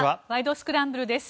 スクランブル」です。